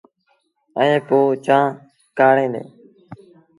ائيٚݩ پو چآنه ڪآڙيٚن ديٚݩ۔